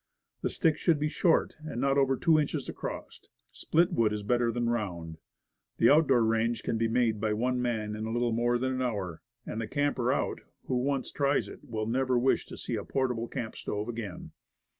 The sticks should be short, and not over two inches across. Split wood is better than round. The out door range The Cooking Range, as can be made by one man in little more than an hour, and the camper out, who once tries it, will never wish to see a "portable camp stove" again.